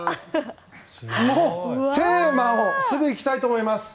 テーマをすぐ行きたいと思います。